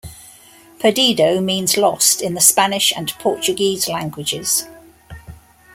"Perdido" means "lost" in the Spanish and Portuguese languages.